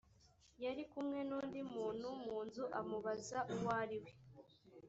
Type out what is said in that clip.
yari kumwe n undi muntu mu nzu amubaza uwo ari we